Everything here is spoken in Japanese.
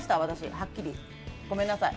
はっきりごめんなさい。